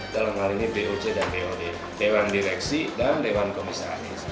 dalam hal ini boc dan dewan direksi dan dewan komisaris